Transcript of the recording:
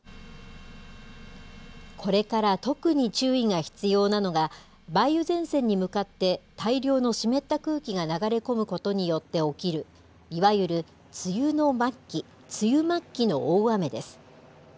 これから特に注意が必要なのが、梅雨前線に向かって大量の湿った空気が流れ込むことによって起きる、いわゆる梅雨の末期、梅雨末期の大雨です。